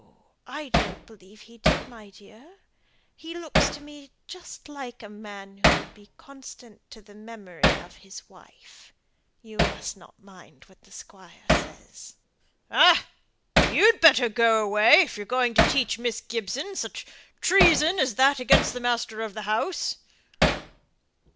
I don't believe he did, my dear. He looks to me just like a man who would be constant to the memory of his wife. You must not mind what the squire says." "Ah! you'd better go away, if you're going to teach Miss Gibson such treason as that against the master of the house."